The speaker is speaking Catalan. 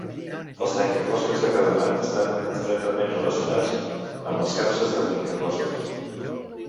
Els trencaclosques de cadenat estan estretament relacionats amb les capses de trencaclosques.